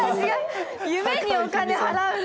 夢にお金払うの！